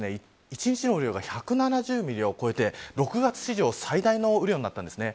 一日の雨量が１７０ミリを超えて６月史上最大の雨量になったんですね。